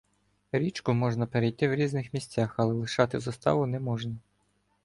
Річку можна перейти в різних місцях, але лишати заставу не можна.